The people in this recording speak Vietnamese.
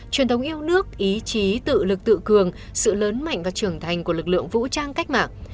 truyền thống yêu nước ý chí tự lực tự cường sự lớn mạnh và trưởng thành của lực lượng vũ trang cách mạng